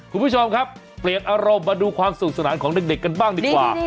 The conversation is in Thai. คุณผู้ชมครับเปลี่ยนอารมณ์มาดูความสนุกสนานของเด็กกันบ้างดีกว่า